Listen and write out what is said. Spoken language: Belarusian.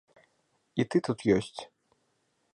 І ты тут ёсць!